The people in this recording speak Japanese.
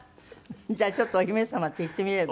じゃあちょっと「お姫様」って言ってみれば？